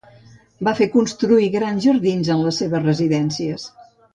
Va fer construir grans jardins en les seves residències.